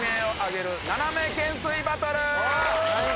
何？